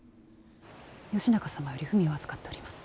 義仲様より文を預かっております。